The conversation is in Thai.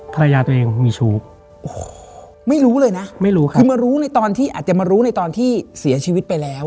ภรรยาตัวเองมีชู้โอ้โหไม่รู้เลยนะไม่รู้ค่ะคือมารู้ในตอนที่อาจจะมารู้ในตอนที่เสียชีวิตไปแล้ว